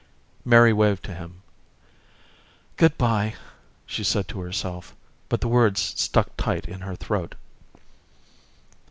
Mary waved to him. "Good by," she said to herself, but the words stuck tight in her throat.